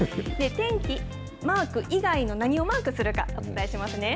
天気、マーク以外の何をマークするか、お伝えしますね。